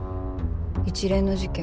一連の事件